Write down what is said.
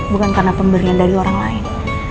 bukan karena pemberian dari orang lain